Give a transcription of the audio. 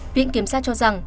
viện kiểm sát cho rằng